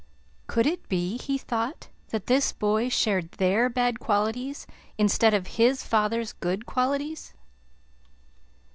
Could it be, he thought, that this boy shared their bad qualities instead of his father's good qualities?